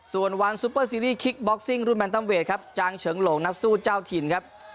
ส่วนวันซุปเปอร์ซีรีสคิกบ็อกซิ่งรุ่นแนนตัมเวทครับจางเฉิงหลงนักสู้เจ้าถิ่นครับ